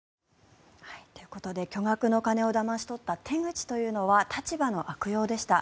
ということで巨額の金をだまし取った手口というのは立場の悪用でした。